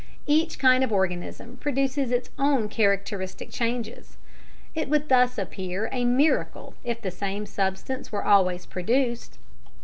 Each kind of organism produces its own characteristic changes. It would thus appear a miracle if the same substances were always produced.